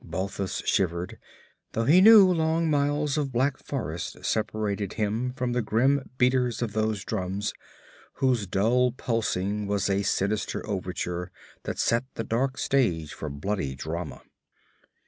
Balthus shivered, though he knew long miles of black forest separated him from the grim beaters of those drums whose dull pulsing was a sinister overture that set the dark stage for bloody drama.